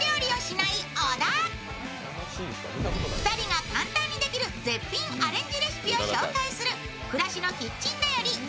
２人が簡単にできる絶品アレンジレシピを紹介する「暮らしのキッチン便り」